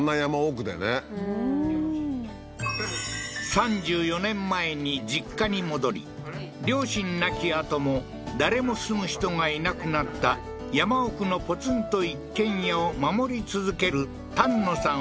３４年前に実家に戻り両親亡きあとも誰も住む人がいなくなった山奥のポツンと一軒家を守り続ける丹野さん